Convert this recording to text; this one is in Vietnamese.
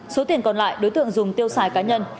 số tiền còn lại đối tượng dùng tiêu xài cá nhân